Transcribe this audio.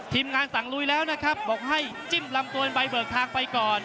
ทีมงานสั่งลุยแล้วนะครับบอกให้จิ้มลำตัวเป็นใบเบิกทางไปก่อน